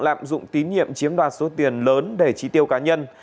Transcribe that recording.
lạm dụng tín nhiệm chiếm đoạt số tiền lớn để trí tiêu cá nhân